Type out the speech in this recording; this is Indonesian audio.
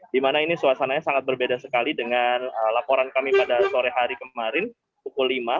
di mana ini suasananya sangat berbeda sekali dengan laporan kami pada sore hari kemarin pukul lima